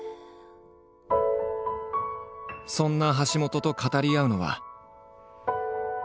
そんな橋本と語り合うのは。